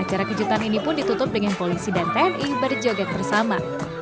acara kejutan ini pun ditutup dengan polisi dan tni berjoget bersama